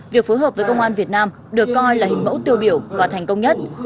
việc phối hợp với công an việt nam được coi là hình mẫu tiêu biểu và thành công nhất